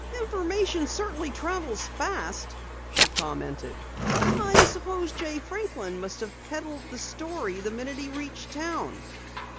"Information certainly travels fast," she commented. "I suppose Jay Franklin must have peddled the story the minute he reached town."